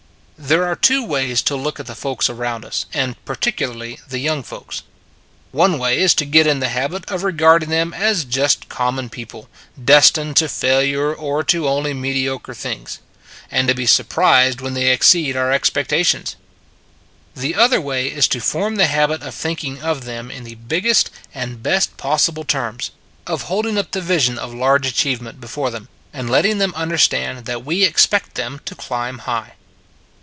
There are two ways to look at the folks around us, and particularly the younger folks. One way is to get into the habit of re garding them as just common people, 30 It s a Good Old World destined to failure or to only mediocre things; and to be surprised when they ex ceed our expectations. The other way is to form the habit of thinking of them in the biggest and best possible terms; of holding up the vision of large achievement before them and letting them understand that we expect them to climb high.